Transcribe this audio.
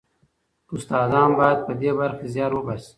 استادان باید په دې برخه کې زیار وباسي.